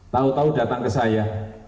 tahu tahu datang ke saya